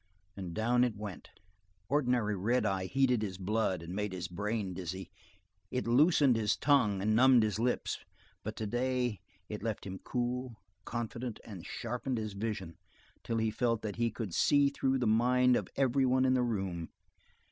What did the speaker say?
and down it went. Ordinarily red eye heated his blood and made his brain dizzy, it loosened his tongue and numbed his lips, but today it left him cool, confident, and sharpened his vision until he felt that he could see through the minds of every one in the room.